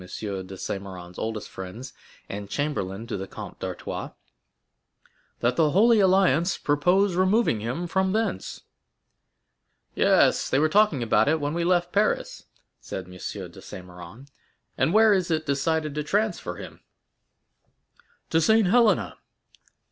de Saint Méran's oldest friends, and chamberlain to the Comte d'Artois, "that the Holy Alliance purpose removing him from thence?" "Yes; they were talking about it when we left Paris," said M. de Saint Méran; "and where is it decided to transfer him?" "To Saint Helena."